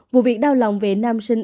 vụ việc đau lòng về nam sinh